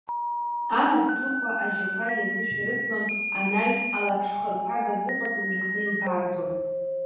Амаҭ дуқәа ажьақәа иазышәарыцон, анаҩс алаԥшхырԥага азыҟаҵаны икны илбаардон.